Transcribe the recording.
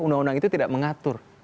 undang undang itu tidak mengatur